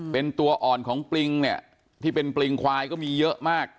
เป็นตัวอ่อนของปริงเนี่ยที่เป็นปริงควายก็มีเยอะมาก